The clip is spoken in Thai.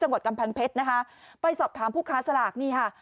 จังหวัดกำแพงเพชรนะคะไปสอบถามผู้ค้าสลากนี่ค่ะ